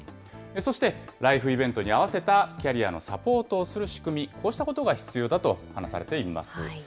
そして、ライフイベントに合わせたキャリアのサポートをする仕組み、こうしたことが必要だと話されています。